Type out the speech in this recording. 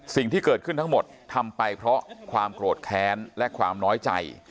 สิ่งที่เกิดขึ้นทั้งหมดทำไปเพราะความโกรธแค้นและความน้อยใจ